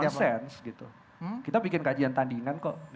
sense gitu kita bikin kajian tandingan kok